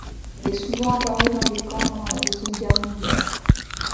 Elle est souvent apparue dans des camps pendant la Deuxième Guerre mondiale.